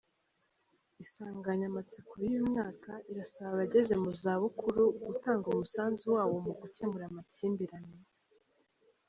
Insanganyamatsiko y’uyu mwaka irasaba abageze mu zabukuru gutanga umusanzu wabo mu gukemura amakimbirane.